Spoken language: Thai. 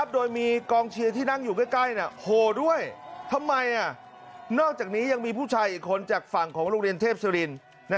โดยมีกองเชียร์ที่นั่งอยู่ใกล้โหด้วยทำไมนอกจากนี้ยังมีผู้ชายอีกคนจากฝั่งของโรงเรียนเทพสุริน